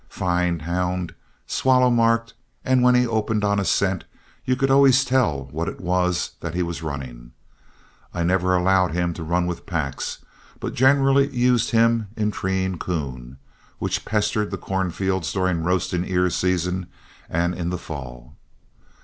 Fine hound, swallow marked, and when he opened on a scent you could always tell what it was that he was running. I never allowed him to run with packs, but generally used him in treeing coon, which pestered the cornfields during roasting ear season and in the fall.